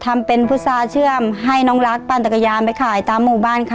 ทำเป็นพุษาเชื่อมให้น้องรักปั่นจักรยานไปขายตามหมู่บ้านค่ะ